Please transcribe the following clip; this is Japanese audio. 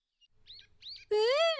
うん！